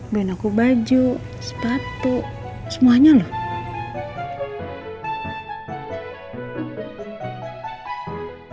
main aku baju sepatu semuanya loh